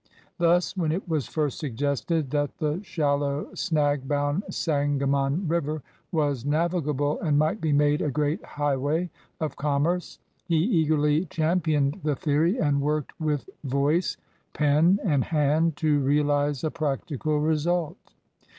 Thus when it was first suggested that the shal low, snag bound Sangamon River was navigable and might be made a great highway of com merce, he eagerly championed the theory and worked with voice, pen, and hand to realize a practical result.